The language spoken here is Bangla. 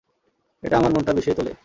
এটা আমার মনটা বিষিয়ে তোলে!